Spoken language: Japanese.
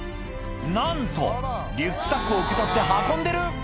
なんとリュックサックを受け取って運んでる